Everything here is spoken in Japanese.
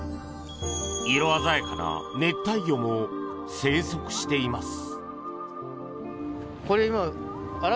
色鮮やかな熱帯魚も生息しています。